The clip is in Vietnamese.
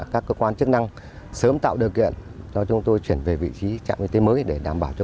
các cơ quan chức năng sớm tạo điều kiện cho chúng tôi chuyển về vị trí trạm y tế mới để đảm bảo cho